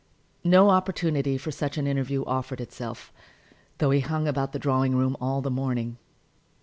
No opportunity for such an interview offered itself, though he hung about the drawing room all the morning.